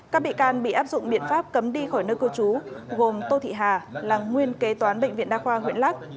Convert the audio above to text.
các bị can bị áp dụng biện pháp cấm đi khỏi nơi cư trú gồm tô thị hà là nguyên kế toán bệnh viện đa khoa huyện lắc